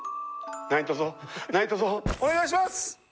何とぞ何とぞお願いします！